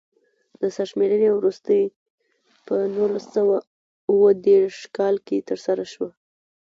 د سرشمېرنې وروستۍ په نولس سوه اووه دېرش کال کې ترسره شوه.